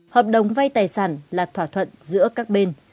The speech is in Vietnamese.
hợp đồng vay tài sản là thỏa thuận giữa các bên